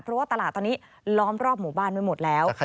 เพราะว่าตลาดตอนนี้ล้อมรอบหมู่บ้านไว้หมดแล้ว